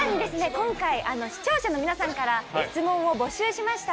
今回視聴者の皆さんから質問を募集しました。